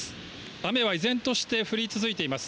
雨は依然として降り続いています。